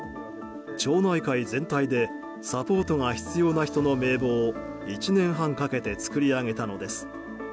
町内会全体でサポートが必要な人の名簿を１年半かけて作り上げたのです。